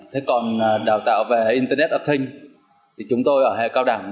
thế còn đào tạo về internet of thing thì chúng tôi ở hệ cao đẳng